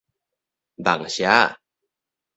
網社仔